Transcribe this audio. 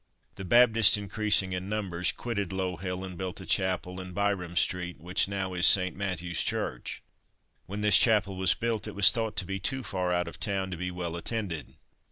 The Baptists, increasing in numbers, quitted Low hill, and built a chapel in Byrom street, which is now St. Matthew's church. When this chapel was built it was thought to be too far out of town to be well attended.